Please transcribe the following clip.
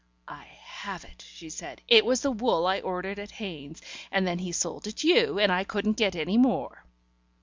"I have it," she said. "It was the wool I ordered at Heynes's, and then he sold it you, and I couldn't get any more."